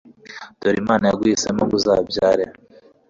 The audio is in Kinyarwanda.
dore imana yaguhisemo, ngo uzabyare